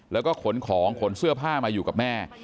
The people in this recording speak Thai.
แล้วก็ขนของขนเสื้อผ้ามาอยู่กับแม่